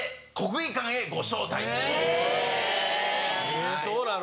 えそうなの？